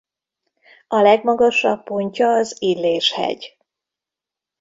A legmagasabb pontja az Illés-hegy.